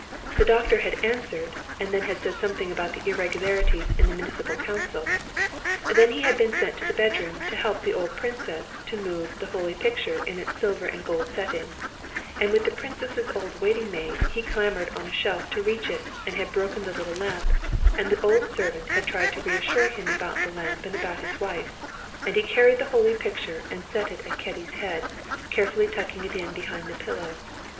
The doctor had answered and then had said something about the irregularities in the municipal council. Then he had been sent to the bedroom to help the old princess to move the holy picture in its silver and gold setting, and with the princess's old waiting maid he had clambered on a shelf to reach it and had broken the little lamp, and the old servant had tried to reassure him about the lamp and about his wife, and he carried the holy picture and set it at Kitty's head, carefully tucking it in behind the pillow.